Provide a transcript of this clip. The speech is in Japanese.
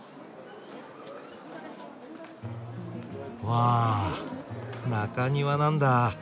わあ中庭なんだ。